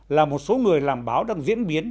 là một số người làm báo đang diễn biến